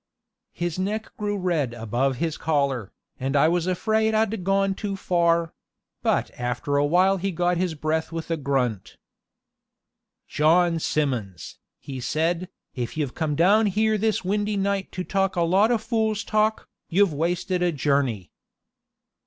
His neck grew red above his collar, and I was afraid I'd gone too far; but after a while he got his breath with a grunt. "John Simmons," he said, "if you've come down here this windy night to talk a lot of fool's talk, you've wasted a journey."